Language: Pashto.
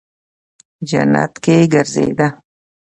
جنت کې گرځېده.